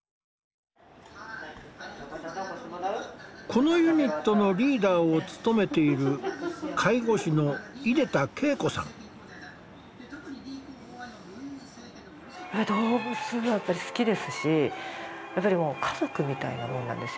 このユニットのリーダーを務めている動物が好きですしやっぱりもう家族みたいなもんなんですよ。